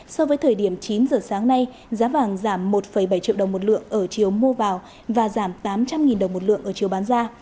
so với thời điểm chín giờ sáng nay giá vàng giảm một bảy triệu đồng một lượng ở chiều mua vào và giảm tám trăm linh đồng một lượng ở chiều bán ra